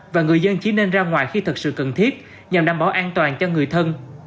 và người dân chỉ nên ra ngoài khi thật sự cần thiết nhằm đảm bảo an toàn cho người thân